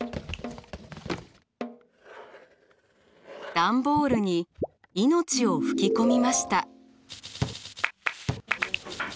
ダンボールに生命を吹き込みました。